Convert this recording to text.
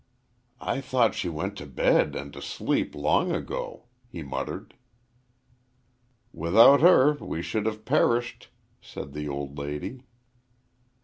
"I thought she went to bed and to sleep long ago," he muttered. "Without her we should have perished," said the old lady.